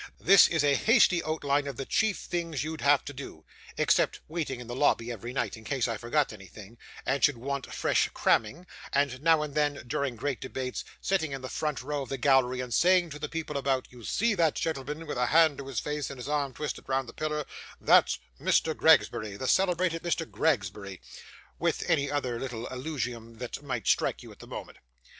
This is a hasty outline of the chief things you'd have to do, except waiting in the lobby every night, in case I forgot anything, and should want fresh cramming; and, now and then, during great debates, sitting in the front row of the gallery, and saying to the people about 'You see that gentleman, with his hand to his face, and his arm twisted round the pillar that's Mr. Gregsbury the celebrated Mr. Gregsbury,' with any other little eulogium that might strike you at the moment.